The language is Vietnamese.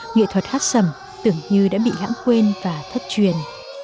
nghệ thuật hát sẩm tưởng như đã bị hãng quên và thất truyền